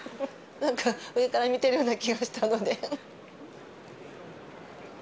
なんか、上から見ているような気がしたので。